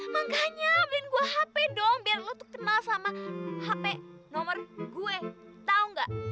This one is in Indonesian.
makanya bikin gue hp dong biar lo tuh kenal sama hp nomor gue tau gak